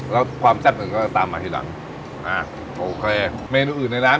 แล้วความแซ่บมันก็ตามมาทีหลังอ่าโอเคเมนูอื่นในร้าน